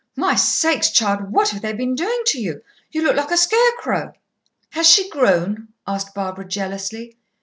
"My sakes, child, what have they been doing to you? You look like a scarecrow." "Has she grown?" asked Barbara jealously.